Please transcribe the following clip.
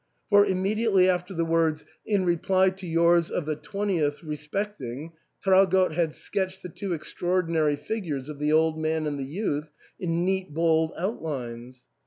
For, immediately after the words, " In reply to yours of the 20th inst. respecting " Traugott had sketched the two extraordinary figures of the old man and the youth in neat bold out lines.